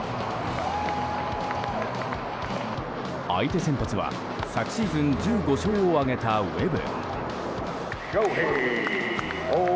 相手先発は昨シーズン１５勝を挙げた、ウェブ。